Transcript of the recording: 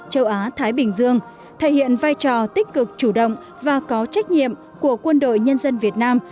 châu á thái bình dương thể hiện vai trò tích cực chủ động và có trách nhiệm của quân đội nhân dân việt nam